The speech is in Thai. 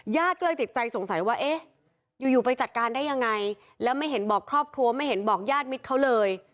ญาติก็เลยติดใจสงสัยว่าเอ๊ะอยู่ไปจัดการได้ยังไงแล้วไม่เห็นบอกครอบครัวไม่เห็นบอกญาติมิตรเขาเลย